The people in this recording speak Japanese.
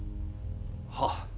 はっ。